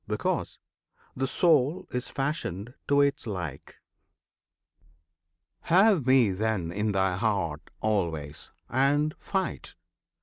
Because the Soul is fashioned to its like. Have Me, then, in thy heart always! and fight!